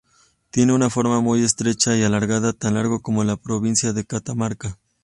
Tiene una forma muy estrecha y alargada, tan largo como la provincia de Catamarca.